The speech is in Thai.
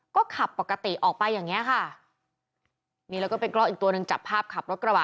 ก็ขับปกติออกไปอย่างเงี้ยค่ะนี่แล้วก็เป็นกล้องอีกตัวหนึ่งจับภาพขับรถกระบะ